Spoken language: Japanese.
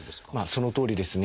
そのとおりですね。